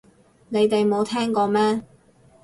你哋冇聽過咩